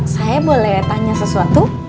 saya boleh tanya sesuatu